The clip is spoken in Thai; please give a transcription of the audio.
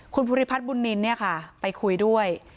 คุณภูริพัฒน์บุญนินเนี่ยค่ะไปคุยด้วย